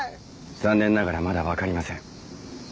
残念ながらまだわかりません。